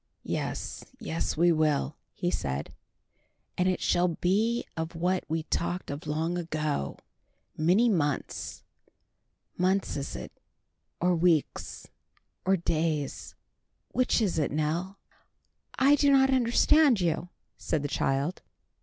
"Yes, yes, we will," he said. "And it shall be of what we talked of long ago—many months—months is it, or weeks, or days? Which is it, Nell?" "I do not understand you," said the child.